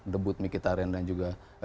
debut mkhitaryan dan juga